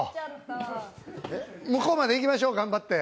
向こうまで行きましょう、頑張って。